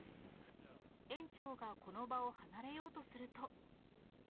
園長がこの場を離れようとすると。